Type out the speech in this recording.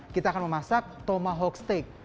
kita akan memasak tomahawk steak